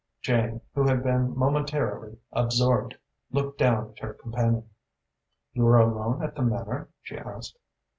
Jane, who had been momentarily absorbed, looked down at her companion. "You are alone at the Manor?" she asked.